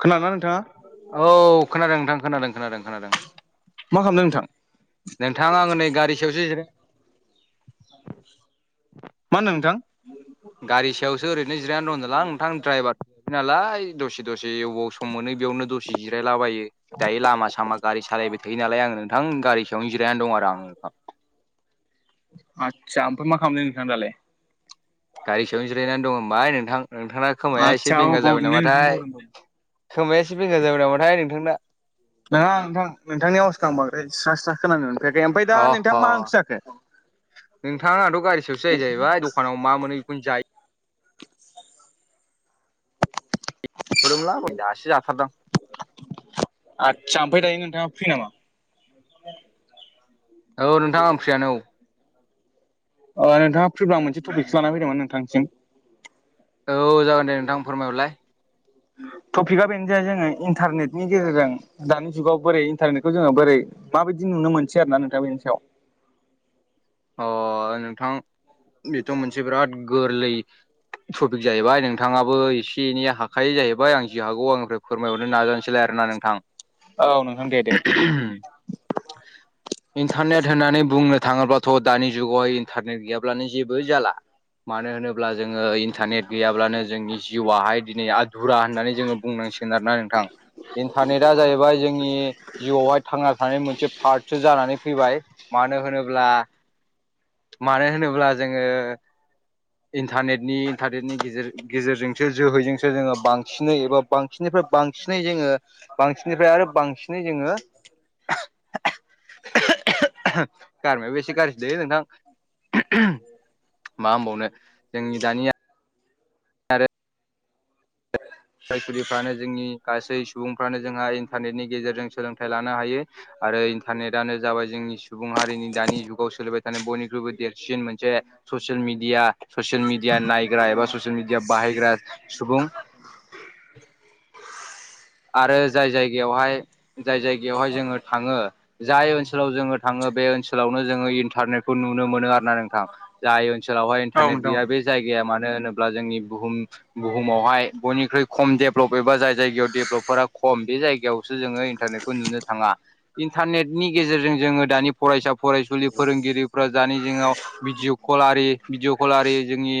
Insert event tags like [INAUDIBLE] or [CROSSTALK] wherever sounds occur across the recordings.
खोनादोंना नोंथाङा औ खोनादों नोंथां खोनादों खोनादों खोनादों। मा खालामदों नोंथां? नोंथाङा आङो नै गारि सायावसो जिराय मा होनदों नोंथां? गारि सायावसो ओरैनो जिरायानो होनदोंलां नोंथां द्राइभारसै नालाय दसे दसे एवबाव सम मोनो बेयावनो दसे जिरायलाबायो दायो लामा सामा गारि सालायबाय थायो नालाय आङो नोंथां गारि सायावनो जिरायनानै दं आरो आं आदसा ओमफ्राय मा खालामदों नोंथां दालाय? गारि सायावनो जिरायनानै दं होनबाय नोंथां नोंथांना खोमाया आदसा एसे औ बेंगा जाबाय बावदोंलै नोंथां नामाथाय बावदों बावदों। खोमाया एसे बेंगा जाबाय नामाथाय नोंथांना नङा नोथां नोंथांनि आवाजखौ आं बद्राय स्रा स्रा खोनानो मोनफैयाखै ओमफ्राय दा अह नोंथा मा ओंख्रि जाखो? नोंथां आंथ' गारि सायावसो जायो जाहैबाय दखानाव मा मोनो बेखौनो जायो [UNINTELLIGIBLE] दासो जाथारदां आदसा ओमफ्राय दायो नोंथाङा फ्रि नामा? [INAUDIBLE] औ नोंथां आं फ्रियान औ अ नोंथाङा फ्रिब्ला आं मोनसे टपिकसो लानानै फैदोंमोन नोंथांसिम औ जागोन दे नोंथां फोरमायहरलाय टपिकआ बेनो जाय जोङो इन्टारनेटनि गेजेरजों दानि जुगाव बोरै इन्टारनेटखौ जोङो बोरै माबायदि नुनो मोनसै आरो ना नोंथां बेनि सायाव अ नोंथां बेथ' मोनसे बिराद गोरलै ट्रफिक जाहैबाय नोंथाङाबो एसे एनै हाखायो जाहैबाय आं जि हागौ आंनिफ्राय फोरमायहरनो नाजानोसैलाय आरो ना नोंथां। औ नोंथां दे दे इन्टारनेट होननानै बुंनो थाङोब्ला थ' दानि जुगावहाय इन्टारनेट गैयाब्लानो जेबो जाला मानो होनोब्ला जोङो इन्टारनेट गैयाब्लानो जोंनि जिउाहाय दिनै धुरा होननानै जोङो बुंनांसिगोन आरोना नोंथां। इन्टारनेटआ जाहैबाय जोंनि जिउआवहाय थांना थानाय मोनसे पार्ट सो जानानै फैबाय मानो होनोब्ला मानो होनोब्ला जोङो इन्टारनेटनि इन्टारनेटनि गेजेर गेजेरजोंसो जोहैजोंसो जोङो बांसिनै एबा बांसिननिफ्राय बांसिनै जोङो बांसिननिफ्राय आरो बांसिनै जोङो गारमायाबो एसे गारजिलै नोंथां मा होनबावनो जोंनि दानिया फरायसुलिफ्रानो जोंनि गासै सुबुंफ्रानो जोंहा इन्टारनेटनि गेजेरजों सोलोंथाइ लानो हायो। आरो इन्टारनेटानो जाबाय जोंनि सुबुं हारिनि दानि जुगाव सोलिबाय थानाय बयनिख्रुइबो देरसिन मोनसे ससियेल मिडिया ससियेल मिडिया नायग्रा एबा ससियेल मिडिया बाहायग्रा सुबुं आरो जाय जाय गेवहाय जाय जायगायावहाय जोङो थाङो जाय ओनसोलाव जोङो थाङो बे ओनसोलावनो जोङो इन्टारनेट खौ नुनो मोनो आरो ना नोंथां जाय ओनसोलावहाय औ इन्टारनेट नोंथां गैया बे जायगाया मानो होनोब्ला जोंनि बुहुम बुहुमावहाय बयनिख्रुइ खम देभेलप एबा जाय जायगायाव देभ लबफोरा खम बे जायगायावसो जोङो इन्टारनेटखौ नुनो थाङा। इन्टारनेटनि गेजेरजों जोङो दानि फरायसा फरायसुलि फोरोंगिरिफ्रा दानि जोंङाव भिडिअ' कल आरि भिडिअ' कल आरि जोंनि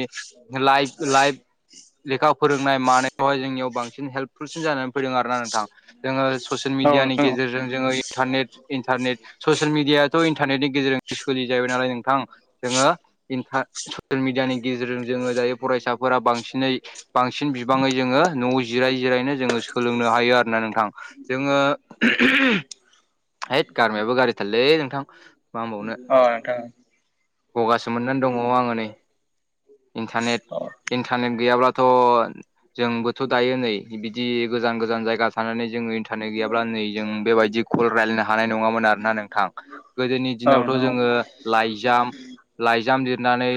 लाइभ लाइभ [INAUDIBLE] लेखा फोरोंनाय मानेयावहाय जोंनियाव बांसिन हेल्पफुलसिन जाना आरोना नोंथां जोङो ससियेल औ मिडियानि नोंथां गेजेरजों जोङो इन्टारनेट इन्टारनेट ससियेल मिडियााथ' इन्टारनेटनि गेजेरजों सोलिजाबबाय नालाय नोंथां जोङो इन्टा ससियेल मिडियानि गेजेरजों जोङो दायो फरायसाफोरा बांसिन दिनै बांसिन बिबाङै जोङो न' जिराय जिरायनो जोङो सोलोंनो हायो आरोना नोंथां जोङो हैथ गारमायाबो गारिथारलै नोंथां मा होनबावनो। अ नोंथां। गगासो मोननानै दङ आङो नै। इन्टारनेट औ इन्टारनेट गैयाब्लाथ' जोंबोथ' दायो नै बिदि गोजान गोजान जायगा थानानै जोंङो होनो गैयाब्ला नै जों बेबायदि कल रायलायनो हानाय नङामोन आरोना नोंथां। गोदोनि औ दिनावथ' नोंथां औ जोङो लाइजाम लाइजाम लिरनानै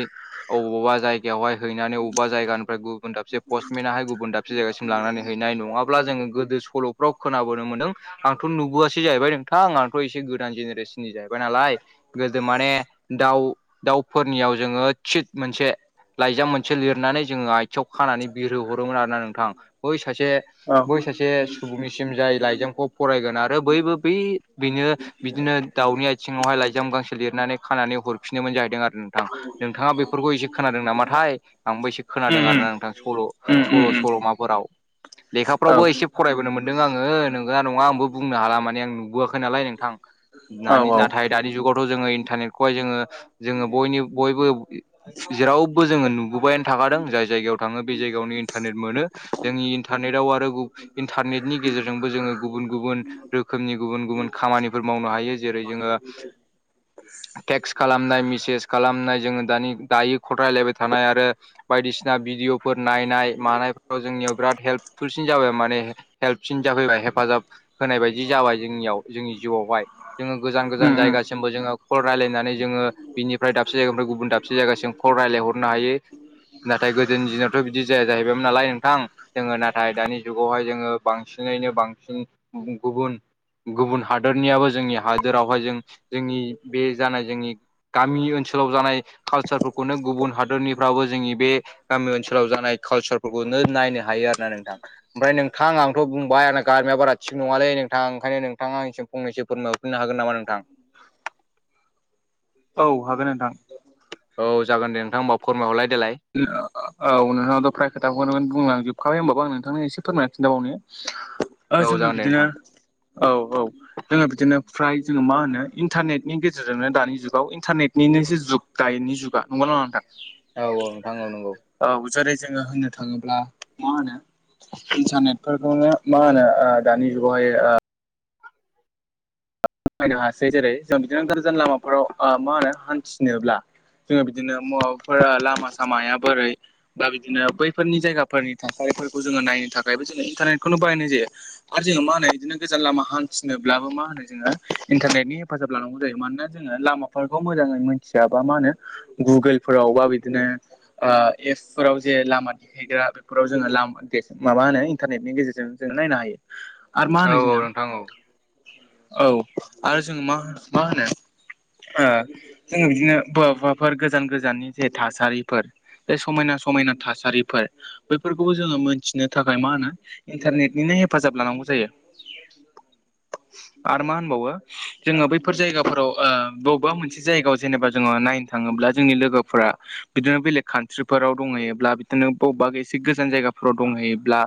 अबावबा जायगायावहाय हैनानै अबेबा जायगानिफ्राय गुबुन दाबसे पस्टमेनाहाय गुबुन दाबसे जायगासिम लांनानै हैनाय नङाब्ला जोङो गो दो सल'फ्राव खोनाबोनो मोनदों आंथ' नुबोआसै जाहैबाय नोंथां आंथ' एसे गोदान जेनेरेसननि जाहै बाय नालाय गोदो माने दाउ दाउफोरनियाव जोङो चित मोनसे लाइजाम मोनसे लिरनानै जोङो आथियाव खानानै बिरहोहरोमोन आरोना नोंथां बै सासे बै औ सासे सुबुंनिसिम जाय लाइजामखौ फरायगोन आरो बैबो बै बेनो बिदिनो दावनि आयथिं सिङावहाय लाइजाम गांसो लिरनानै खानानै हरफिननोमोन जाहैदों आरो नोंथां नोंथाङा बेफोरखौ एसे खोनादों नामाथाय आंबो एसे उम खोनादों उम आरोना नोंथां सल' उम उम सल' उम सल'माफोराव। औ लेखाफ्रावबो एसे फरायबोनो मोनदों आङो नोंगौना नङा आंबो बुंनो हाला माने आं नुबोआखै नालाय नोंथां। नानि औ नाथाय दानि जुगावथ' जोङो इन्टारनेटखौहाय जोङो जोङो बयनि बयबो जेरावबो जोङो नुबोबायायानो थाखादों जाय जायगायाव थाङो बे जायगायावनो इन्टारनेट मोनो। जोंनि इन्टारनेटआव आरो गु इन्टारनेटनि गेजेरजोंबो जोङो गुबुन गुबुन रोखोमनि गुबुन गुबुन खामानिफोर मावनो हायो जेरै जोङो टेक्स्ट खालामनाय मेसेज खालामनाय जोङो दानि दायो खलरायलायबाय थानाय आरो बायदिसिना भिडिअफोर नायनाय मानायफोराव जोंनियाव बिराद हेल्पफुलसिन जाबाय माने। हेलपसिन जाफैबाय हेफाजाब होनाय बायदि जाबाय जोंनियाव जोंनि जिउआवहाय जोङो गोजान गोजान उम उम जायगा जोंबो जोङो कल रायलायनानै जोङो बिनिफ्राय दाबसे जायगानिफ्राय गुबुन दाबसे जायगासिम फरायलायहरनो हायो नाथाय गोदोनि दिनावथ' बिदि जाया जाहैबायमोन नालाय नोंथां। जोङो नाथाय दानि जुगावहाय जोङो बांसिनैनो बांसिन गुबुं गुबुन गुबुन हादरनियाबो जोंनि हादोरावहाय जों जोंनि बे जानाय जोंनि गामि ओनसोलाव जानाय खौनो गुबुन हादरनिफ्राबो जोंनि बे गामि ओनसोलाव जानाय कालसारफोरखौनो नायनो हायो आरो ना नोंथां ओमफ्राय नोंथां आंथ' बुंबाय आंना गारमाया बारा थिग नङालै नोंथां ओंखायनो नों थाङा एसे फ‌ंनैसो फोरमायहरफिननो हागोन नामा नोंथां? औ हागोन नोंथां। औ जागोन दे नोंथां ओमबा फोरमायहरलाय देलाय। औ नोंथाङाथ फ्राय खोथाखौ बुंलांजोबखाबाय होमबाबो आं नोंथांनो एसे फोरमायना खिन्थाबावनो औ जोङो जागोन दे बिदिनो नोंथां औ औ जोङो बिदिनो फ्राय जोङो मा होनो इन्टारनेटनि गेजेरजोंनो दानि जुगाव इन्टारनेटनिनो जे जुग गायनि जुगा नंगौ ना नङा नोंथां औ औ नोंथां औ नंगौ। औ जेरै जोङो होननो थाङोब्ला मा होनो इन्टारनेट फोरखौनो मा होनो ओ दानि जुगावहाय ओ बायनो हासै जेरै जों बिदिनो गोजान लामाफोराव मा होनो हान्थिनोब्ला जोङो बिदिनो मावाबाफोर लामा सामाया बोरै बा बिदिनो बैफोरनि जायगाफोरनि थासारिफोरखौ जोङो नायनो थाखायबो जोङो इन्टारनेटखौनो बाहायनाय जायो। आरो जोङो मा होनो बिदिनो गोजान लामा हान्थिनोब्लाबो मा होनो जोङो इन्टारनेटनि हेफाजाब लानांगौ जायो मानोना जोङो लामाफोरखौ मोजाङै मिथियाबा मा होनो गुगोलफोराव बा बिदिनो ओ एपसफोराव जे लामा देखायग्रा बेफोराव जोङो लाम माबा होनो इन्टारनेटनि गेजेरजों जोङो नायनो हायो। आरो मा औ होनो औ जोंना नोंथां औ औ आरो जोङो मा मा होनो ओ जोङो बिदिनो बवाबाफोर गोजान गोजाननि जे थासारिफोर बे समायना समायना थासारिफोर बैफोरखौबो जोङो मोनथिनो थाखाय मा होनो इन्टारनेटनिनो हेफाजाब लानांगौ जायो आ [UNINTELLIGIBLE] जोङो बैफोर जायगाफोराव ओ बबेबा मोनसे जायगायाव जेनेबा जोङो नायनो थाङोब्ला जोंनि लोगोफोरा बिदिनो बेलेग कान्ट्रिफोराव दंहैयोब्ला बिदिनो बबेबा एसे गोजान जायगाफोराव दंहैयोब्ला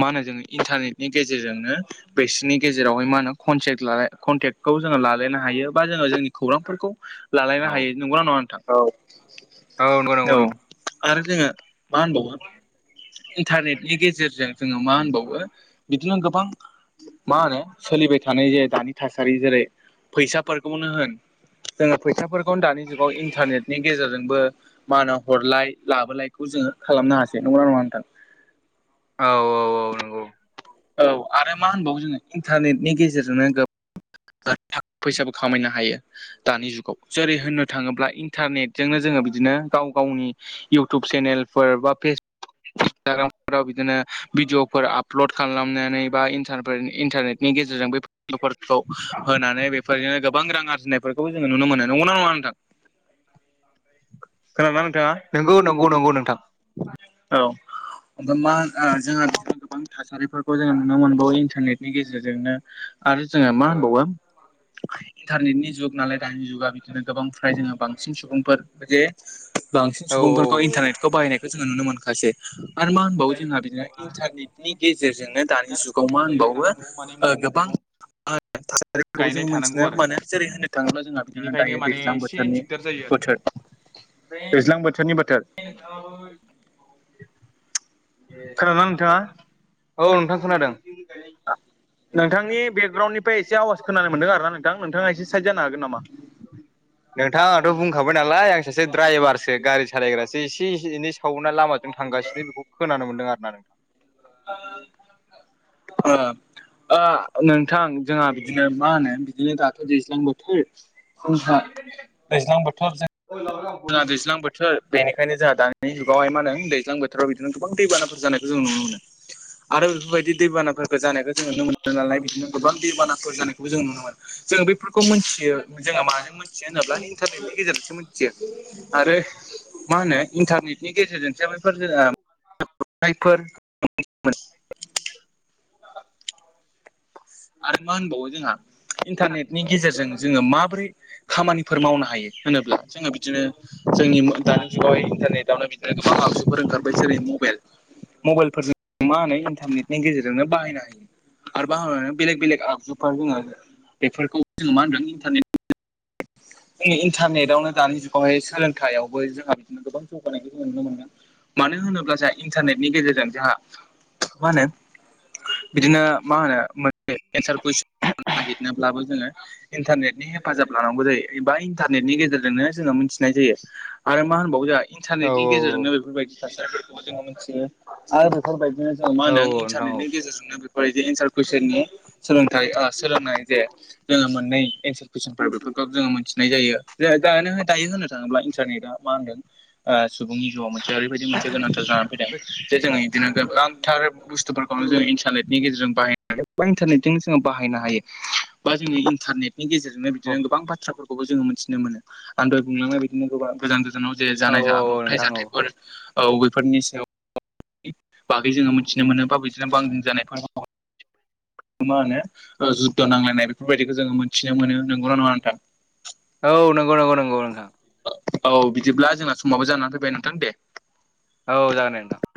मा होनो जो इन्टारनेटनि गेजेरजोंनो बिसोरनि गेजेरावहाय मा होनो [UNINTELLIGIBLE] लालाय कनटेक्टखौ जोङो लालायनो हायो बा जोङो जोंनि खौरांफोरखौ लालायनो औ हायो। नंगौना नङा नोंथां औ औ नंगौ नंगौ औ नोंथां आरो जोंङो मा होनबावो इन्टारनेटनि गेजेरजों जोङो मा होनबावो बिदिनो गोबां मा होनो सोलिबाय थानाय जे दानि थासारि जेरै फैसाफोरखौनो होन जोङो फैसाफोरखौ दानि जुगाव इन्टारनेटनि गेजेरजोंबो मानाव हरलाय लाबोलायखौ जोङो खालामनो हासै नंगौना नङा नोंथां औ औ। औ नंगौ औ आरो मा होनबावो जोङो इन्टारनेटनि गेजेरजोंनो गो थाखा फैसाबो खामायनो हायो। दानि जुगाव जेरै होननो थाङोब्ला इन्टारनेटजोंनो जोङो बिदिनो गाव गावनि इउटुब चेनेलफोर बा फेसबुक इन्सटाग्रामफोराव बिदिनो भिडिअफोर आब आबलद खालामनानै बा इनटारफोरनि इनटारनेटनि गेजेरजों बैफोर होनानै बेफोरजोंनो गोबां रां आरजिनायफोरखौबो जोङो नुनो मोनो नंगौना नङा नोंथां? खोनादोंना नोंथाङा? नंगौ नंगौ नंगौ नोंथां। औ ओमफ्राय मा ओ जोंहा बिदिनो गोबां थासारिफोर जोङो नुनो मोनबावो इन्टारनेटनि गेजेरजोंनो आरो जोङो मा औ होनबावो इन्टारनेटनि जुग नालाय दानि जुगा बिदिनो गोबां फ्राय जोङो बांसिन सुबुंफोर जे बांसिन औ सुबुंफोरखौ इन्टारनेटखौ बाहायनायखौ जोङो नुनो मोनखासै आरो मा होनबावो जोंहा बिदिनो इन्टारनेटनि गेजेरजोंनो दानि जुगाव मा होनबावो न मानि मैगं थाइगं आ थासारिफोरखौ जोंङो मिथिनो मोनो जेरै होननो थाङोब्ला जोंहा बिदिनो दायो दैज्लां बोथोरनि बोथोर। दैज्लां बोथोरनि बोथोर। [UNINTELLIGIBLE] खोनादोंना नोंथाङा? औ नोंथां खोनादों। नोंथांनि बेकग्राउन्डनिफ्राय एसे आवाज खोनानो मोनदों आरोना नोंथां नोंथाङा एसे साइद जानो हागोन नामा? नोंथाङाथ' बुंखाबाय नालाय आं सासे द्रायभारसो गारि सालायग्रासो एसे एनै सावना लामाजों थांगासिनो बेखौ खोनानो मोनदों आरो ना नोंथां। ओ ओ नोंथां जोंहा बिदिनो मा होनो बिदिनो दाथ' दैज्लां बोथोर। फुंजा दैज्लां बोथोर जो [UNINTELLIGIBLE] जोंहा दैज्लां बोथोर। बेनिखायनो जोंहा दानि जुगावहाय मा होन दैज्लां बोथोराव बिदिनो गोबां दैबानाफोर जानायखौ जों नुनो मोनो। आरो बेफोरबायदि दै बानाफोरफोरखौ जानायखौ जोङ नुनो मोनो नालाय बिदिनो गोबां दै बानाफोर जानायखौबो जों नुनो मोनो। जों बेफोरखौ मोनथियो जोंहा माजों मोनथियो होनोब्ला इन्टारनेटनि गेजेरजोंसो मिथियो। आरो मा होनो इन्टारनेटनि गेजेरजोंसो बैफोर जों ओ [UNINTELLIGIBLE] [UNINTELLIGIBLE] आरो मा होनबावो जोंहा इन्टारनेटनि गेजेरजों जोङो मा बोरै खामानिफोर मावनो हायो होनोब्ला जोङो बिदिनो जोंनि मो दानि जुगावहाय इन्टारनेटआवनो बिदिनो गोबां आगजुफोर ओंखारबाय जेरै मबाइल। मबाइलफोरजों मा होनो इन्टारनेटनि गेजेरजोंनो बाहायनो हायो आरो बाहानानै बेलेग बेलेग आगजुफोर जोङो बेफोरखौ जोङो मा होनदों इन्टारनेट इ इन्टारनेटआवनो दानि जुगावहाय सोलोंथायाइआवबो जोंहा बिदिनो गोबां जौनायनायखौ जोङो नुनो। मानो होनोब्ला जोंहा इन्टारनेटनि गेजेरजों जोहा मा होनो बिदिनो मा होनो [UNINTELLIGIBLE] एन्सार कुइसन नागिरनोब्लाबो जोङो इन्टारनेटनि हेफाजाब लानांगौ जायो एबा इन्टारनेटनि गेजेरजोंनो जोङो मिथिनाय जायो। आरो मा होनबावो जोंहा इन्टारनेटनि गेजेरजोंनो बेफोरबायदि थासारिफोरखौबो जोङो मोनथियो। आर बेफोरबायदिनो जों मा होनदों नोंथां औ इन्टारनेटनि गेजेरजोंनो बेफोरबायदि एन्सार कुइसननि सोलोंथाइ ओ सोलोंनाय जे जोङो मोननै एन्सार कुइसनफोर बेफोरखौ जोङो मिथिनाय जायो जे दानो दायो होननो थाङोब्ला इन्टारनेटआ मा होनो ओ सुबुंनि जिउआव मोनसे ओरैबायदि मोनसे गोनांथार जाना जे जो बिदिनो गोबांथार बुस्थुफोरखौ जों इन्टारनेटनि गेजेरजों बाहाय बा इन्टारनेटजोंनो जोङो बाहायनो हायो बा जोङो इन्टारनेटनि गेजेरजोंनो बिदिनो गोबां बाथ्राफोर खौबो जोङो मिथिनो मोनो आं दहाय बुंलांनाय बिदिनो गोबां गोजान गोजानाव जे औ जानाय औ औ जाब्रबथाय नोंथां औ नोंथां औ जाथायफोर औ बेफोरनि सायाव बागै जोङो मिथिनो मोनो बा बिदिनो बां जानायफोर [UNINTELLIGIBLE] मा होनो ओ जुद्ध नांलायनाय बेफोरबायदिखौ जोङो मोनथिनो मोनो नंगौना नङा नोंथां? औ नंगौ नगौ नंगौ नोंथां। औ बिदिब्ला जोंना समाबो जानानै फैबाय नोंथां दे। औ जागोन दे नोंथां।